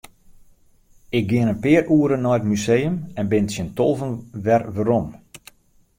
Ik gean in pear oeren nei it museum en bin tsjin tolven wer werom.